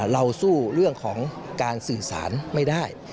เราสู้เรื่องของการสื่อสารไม่ได้